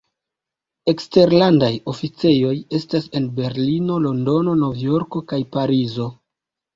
Eksterlandaj oficejoj estas en Berlino, Londono, Novjorko kaj Parizo.